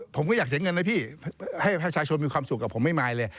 ผมก็อยากเต็มเงินนะพี่ให้ชายชนมีความสุขผมไม่มายเลย